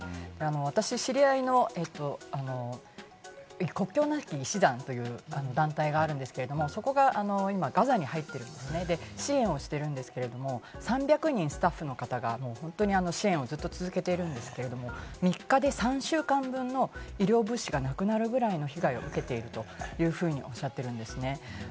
私、知り合いの国境なき医師団という団体があるんですけれども、そこが今、ガザに入っていて、支援をしているんですけれど、３００人スタッフの方がずっと支援を続けているんですが、３日で３週間分の医療物資がなくなるくらいの被害を受けているというふうにおっしゃっているんですね。